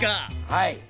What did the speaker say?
はい。